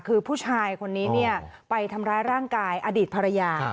คือผู้ชายคนนี้ไปทำร้ายร่างกายอดีตภรรยา